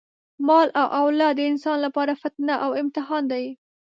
مال او اولاد د انسان لپاره فتنه او امتحان دی.